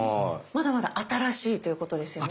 まだまだ新しいということですよね。